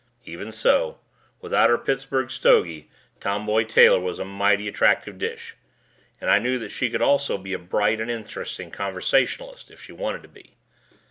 Even so, without her Pittsburgh stogie, Tomboy Taylor was a mighty attractive dish, and I knew that she could also be a bright and interesting conversationalist if she wanted to be.